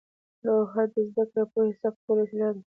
لوحه د زده کړې او پوهې ثبت کولو وسیله وه.